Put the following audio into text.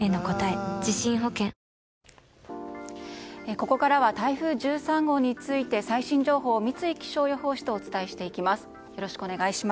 ここからは台風１３号について最新情報を三井気象予報士とお伝えしていきます。